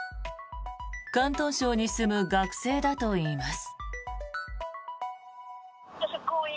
広東省に住む学生だといいます。